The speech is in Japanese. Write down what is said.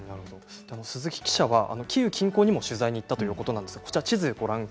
鈴木記者はキーウ近郊にも取材をされたということです。